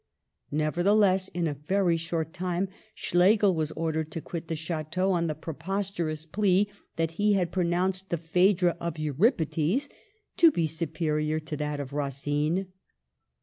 Nevertheless, in a very short time Schlegel was ordered to quit the Chateau on the preposterous plea that he had pronounced the Phcedra of Euripides to be superior to that of Racine